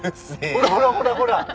ほらほらほらほら！